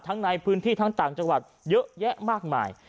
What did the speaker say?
ในพื้นที่ทั้งต่างจังหวัดเยอะแยะมากมาย